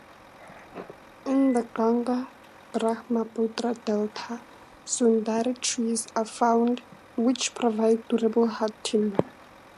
In the Ganga-Brahmaputra delta, Sundari trees are found, which provide durable hard timber.